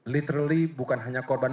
literally bukan hanya korban